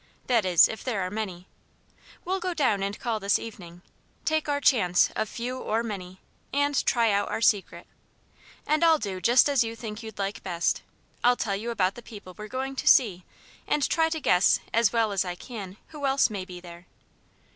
That is, if there are many. We'll go down and call this evening take our chance of few or many, and try out our Secret. And I'll do just as you think you'd like best; I'll tell you about the people we're going to see and try to guess as well as I can who else may be there.